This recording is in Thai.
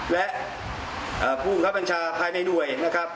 และผู้บังคับบัญชาภายในหน่วยนะครับ